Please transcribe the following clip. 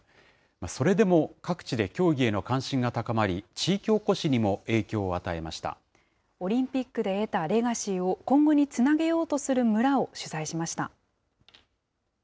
それでも各地で競技への関心が高まり、地域おこしにも影響を与えオリンピックで得たレガシーを、今後につなげようとする村を取材しました。